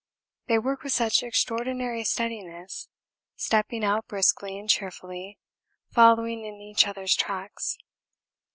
They work with such extraordinary steadiness, stepping out briskly and cheerfully, following in each other's tracks.